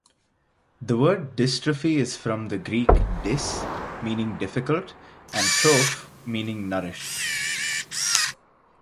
The word "dystrophy" is from the Greek "dys", meaning "difficult" and "troph" meaning "nourish".